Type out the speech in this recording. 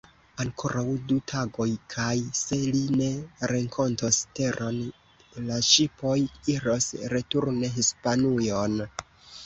Ankoraŭ du tagoj kaj, se li ne renkontos teron, la ŝipoj iros returne Hispanujon.